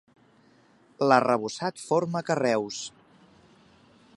L'arrebossat forma carreus.